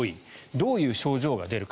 どういう症状が出るか。